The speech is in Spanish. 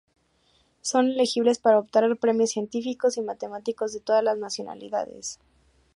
Son elegibles para optar al premio científicos y matemáticos de todas las nacionalidades.